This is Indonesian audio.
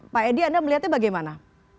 pak edi anda melihatnya bagaimana